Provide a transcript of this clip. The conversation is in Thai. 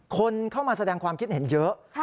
คนเข้ามาแสดงความคิดเห็นเยอะ